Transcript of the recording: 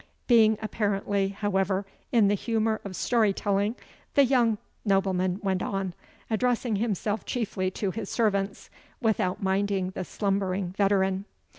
Being apparently, however, in the humour of story telling, the young nobleman went on, addressing himself chiefly to his servants, without minding the slumbering veteran.